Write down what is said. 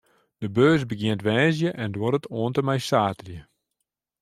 De beurs begjint woansdei en duorret oant en mei saterdei.